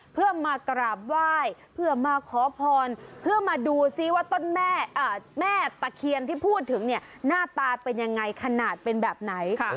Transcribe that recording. เพื่อมากราบไหว้เพื่อมาขอพรเพื่อมาดูซิว่าต้นแม่ตะเคียนที่พูดถึงเนี่ยหน้าตาเป็นยังไงขนาดเป็นแบบไหน